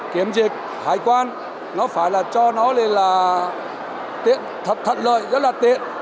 kiểm dịch hải quan nó phải là cho nó lên là thật lợi rất là tiện